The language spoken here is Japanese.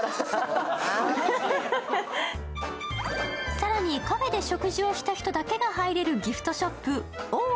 更に、カフェで食事をした人だけが入れるギフトショップＯｈ！